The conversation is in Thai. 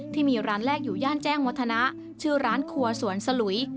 ที่มีร้านแรกอยู่ย่านแจ้งวัฒนะชื่อร้านครัวสวนสลุย